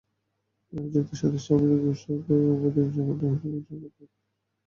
অভিযুক্ত সদস্য অমিয় ঘোষকে দোষী প্রমাণের মূল দায়িত্ব ছিল কোনো স্বাধীন কৌঁসুলির।